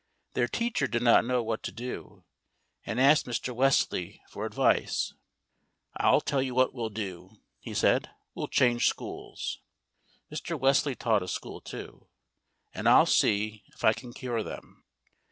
Their teacher did not know what to do, and asked Mr. Wesley for advice. "I'll tell you what we'll do," he said; "we'll change schools" Mr. Wesley taught a school too "and I'll see if I can cure them."